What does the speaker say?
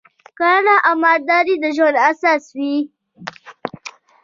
کرنه او مالداري د ژوند اساس و